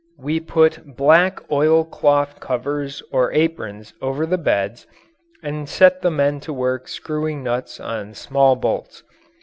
We put black oilcloth covers or aprons over the beds and set the men to work screwing nuts on small bolts.